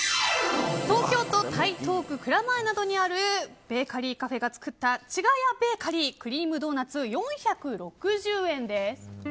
東京都台東区蔵前にあるベーカリーカフェが作ったチガヤベーカリークリームドーナツ、４６０円です。